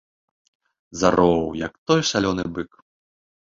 Зароў, як той шалёны бык.